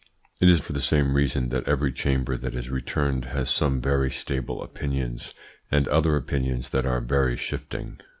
It is for the same reason that every Chamber that is returned has some very stable opinions, and other opinions that are very shifting.